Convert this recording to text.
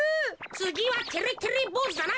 つぎはてれてれぼうずだな。